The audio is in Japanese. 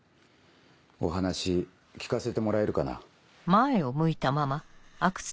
お話聞かせてもらえるかな？